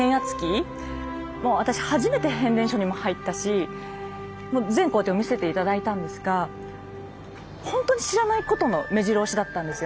もう私初めて変電所にも入ったしもう全工程を見せて頂いたんですがほんとに知らないことのめじろ押しだったんですよね。